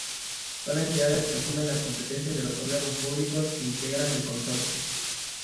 Son entidades que asumen las competencias de los órganos públicos que integran el consorcio.